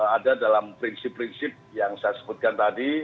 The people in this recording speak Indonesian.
ada dalam prinsip prinsip yang saya sebutkan tadi